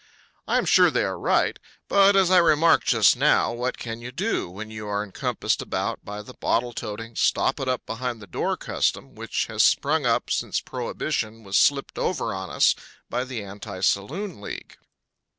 I am sure they are right. But as I remarked just now, what can you do when you are encompassed about by the bottle toting, sop it up behind the door custom which has sprung up since Prohibition was slipped over on us by the Anti Saloon League?